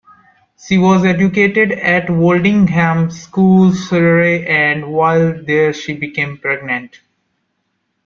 She was educated at Woldingham School, Surrey, and while there, she became pregnant.